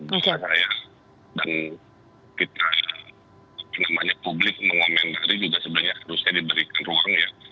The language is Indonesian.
kepada saya dan kita apa namanya publik mengomentari juga sebenarnya harusnya diberikan ruang ya